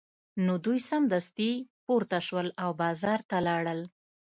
نو دوی سمدستي پورته شول او بازار ته لاړل